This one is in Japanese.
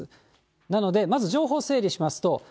なので、まず情報整理しますと。